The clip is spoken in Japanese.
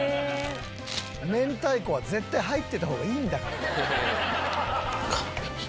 「明太子は絶対入ってた方がいいんだから」